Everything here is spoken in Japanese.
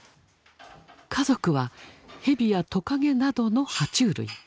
家族はヘビやトカゲなどのは虫類。